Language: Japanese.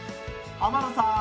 天野さん